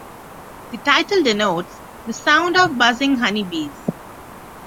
The title denotes the sound of buzzing honey bees.